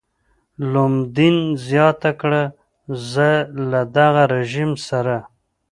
لومدین زیاته کړه زه له دغه رژیم سره.